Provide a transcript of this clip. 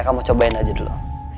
kamu cobain aja dulu